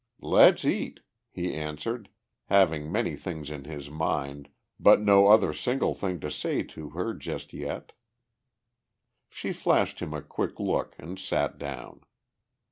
"Let's eat," he answered, having many things in his mind, but no other single thing to say to her just yet. She flashed him a quick look and sat down.